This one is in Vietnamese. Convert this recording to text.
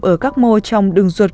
ở các mô trong đường ruột